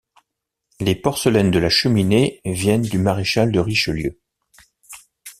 Les porcelaines de la cheminée viennent du maréchal de Richelieu.